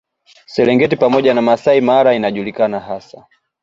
Serengeti pamoja na Masai Mara inajulikana hasa